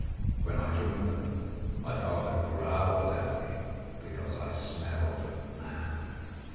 When I joined them, my father growled at me because I smelled of man.